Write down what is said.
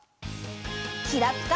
きらぴか。